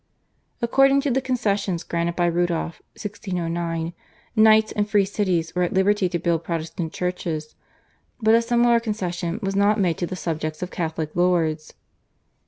According to the concessions granted by Rudolph (1609), knights and free cities were at liberty to build Protestant churches, but a similar concession was not made to the subjects of Catholic lords.